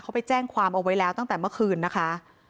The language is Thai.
เขาไปแจ้งความเอาไว้แล้วตั้งแต่เมื่อคืนนะคะ